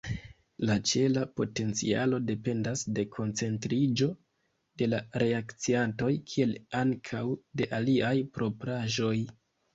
La ĉela potencialo dependas de koncentriĝo de la reakciantoj, kiel ankaŭ de iliaj propraĵoj.